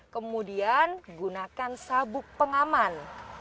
kemudian gunakan sabuk pengaman